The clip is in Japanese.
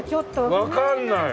わかんない！